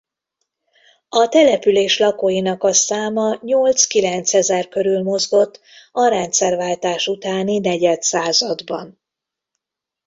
A település lakóinak a száma nyolc-kilenc ezer körül mozgott a rendszerváltás utáni negyedszázadban.